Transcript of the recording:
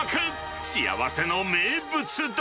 幸せの名物丼。